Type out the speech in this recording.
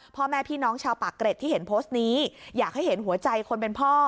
พ่อแม่พี่น้องชาวปากเกร็ดที่เห็นโพสต์นี้อยากให้เห็นหัวใจคนเป็นพ่อ